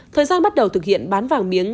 thời gian bắt đầu thực hiện bán vàng miếng